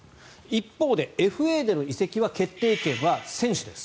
一方でＦＡでの移籍は、決定権は選手です。